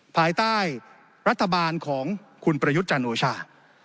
ภายใต้รัฐบาลของคุณประยุทธ์จันโอชา